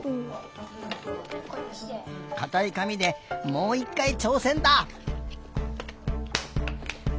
かたいかみでもう１かいちょうせんだ。